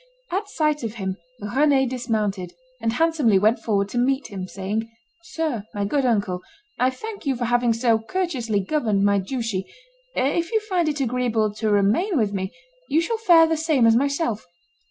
At sight of him Rend dismounted, and handsomely went forward to meet him, saying, "Sir, my good uncle, I thank you for having so courteously governed my duchy; if you find it agreeable to remain with me, you shall fare the same as myself."